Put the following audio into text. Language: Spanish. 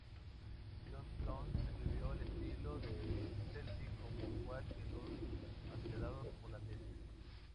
Johnstone describió el estilo del Celtic como "igual que los acelerados holandeses".